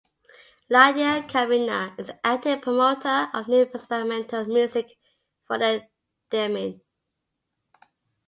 Lydia Kavina is an active promoter of new experimental music for the theremin.